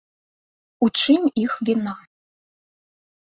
У чым іх віна?